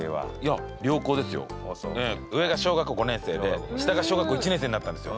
上が小学校５年生で下が小学校１年生になったんですよ。